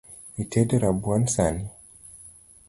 Itedo rabuon sani?